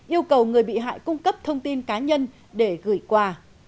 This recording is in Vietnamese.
yêu cầu người bị hại cung cấp thông tin cá nhân để gửi quà